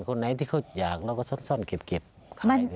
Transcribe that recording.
คนไหนที่เขาอยากเราก็ซักซ่อนเก็บ